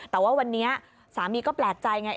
แต่ว่าวันนี้สามีก็แปลกใจไง